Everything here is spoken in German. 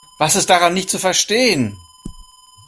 Was ist daran nicht zu verstehen?